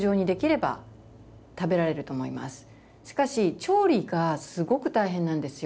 しかし調理がすごく大変なんですよ。